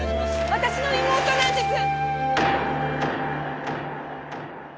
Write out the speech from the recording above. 私の妹なんです！